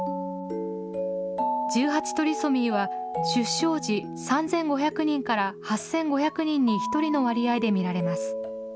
１８トリソミーは、出生児３５００人から８５００人に１人の割合で見られます。